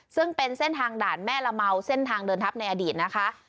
ซึ่งเป็นเส้นทางด่านแม่ละเมาเส้นทางเดินทัพในอดีตนะคะ